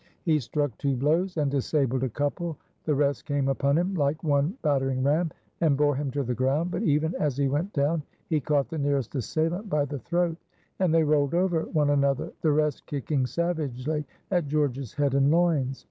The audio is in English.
He struck two blows and disabled a couple; the rest came upon him like one battering ram and bore him to the ground; but even as he went down he caught the nearest assailant by the throat and they rolled over one another, the rest kicking savagely at George's head and loins.